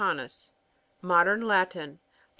Modern Latin. Be.